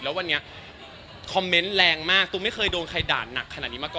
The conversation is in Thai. แล้ววันนี้คอมเม้นต์แรงมาก